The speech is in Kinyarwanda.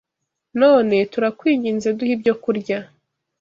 None turakwinginze duhe ibyokurya